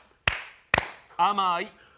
甘い。